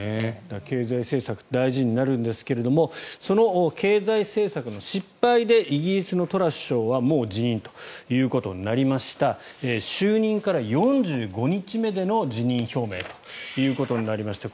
経済政策大事になるんですがその経済政策の失敗でイギリスのトラス首相はもう辞任ということになりました就任から４５日目での辞任表明となりました。